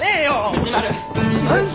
藤丸！